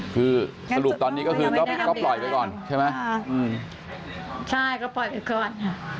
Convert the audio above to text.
คือสรุปตอนนี้ก็คือก็ปล่อยไปก่อนใช่ไหมใช่ก็ปล่อยไปก่อน